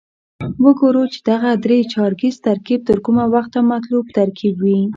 وګورو چې دغه درې چارکیز ترکیب تر کومه وخته مطلوب ترکیب وي.